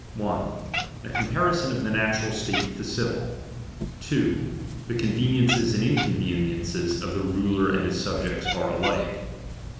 1. A comparison of the natural state with the civil, 2. The con veniences and inconveniences of the ruler and his subjects are alike.